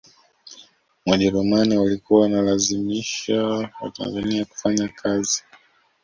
wajerumani walikuwa walazimisha watanzania kufanya kazi